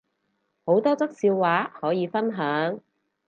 好多則笑話可以分享